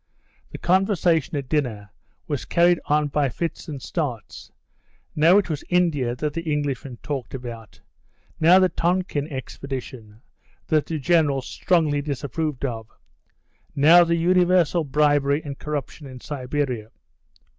The conversation at dinner was carried on by fits and starts, now it was India that the Englishman talked about, now the Tonkin expedition that the General strongly disapproved of, now the universal bribery and corruption in Siberia.